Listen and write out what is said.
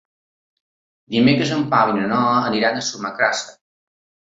Dimecres en Pau i na Noa aniran a Sumacàrcer.